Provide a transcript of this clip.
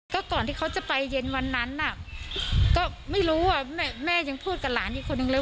ก็ก่อนที่เขาจะไปเย็นวันนั้นน่ะก็ไม่รู้ว่าแม่ยังพูดกับหลานอีกคนนึงเลย